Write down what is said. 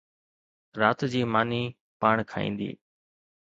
رات جي ماني پاڻ کائيندي